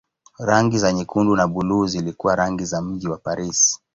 Rangi za nyekundu na buluu zilikuwa rangi za mji wa Paris.